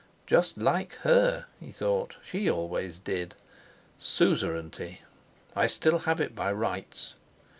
"Just like her!" he thought: "she always did. Suzerainty! I still have it by rights.